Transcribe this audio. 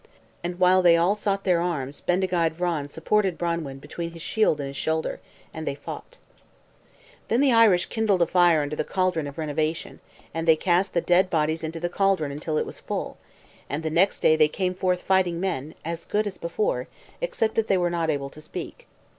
And while they all sought their arms Bendigeid Vran supported Branwen between his shield and his shoulder. And they fought. Then the Irish kindled a fire under the caldron of renovation, and they cast the dead bodies into the caldron until it was full; and the next day they came forth fighting men, as good as before, except that they were not able to speak.